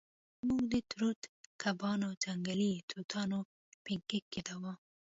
موږ د ټراوټ کبانو او ځنګلي توتانو پینکیک یادوو